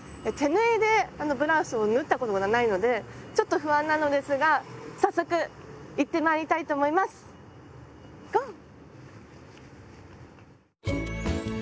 手縫いでブラウスを縫ったことがないのでちょっと不安なのですが早速行ってまいりたいと思います！